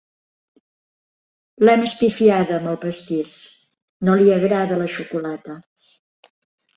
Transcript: L'hem espifiada amb el pastís: no li agrada la xocolata.